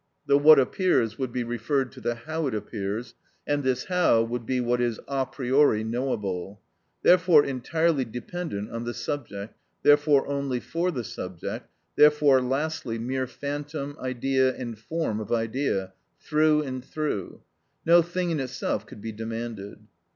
The "what appears" would be referred to the "how it appears," and this "how" would be what is a priori knowable, therefore entirely dependent on the subject, therefore only for the subject, therefore, lastly, mere phantom, idea and form of idea, through and through: no thing in itself could be demanded.